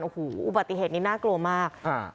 อูหูอุบัติเหตุนี้น่ากลัวมากอ่า